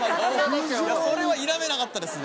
それは否めなかったですね。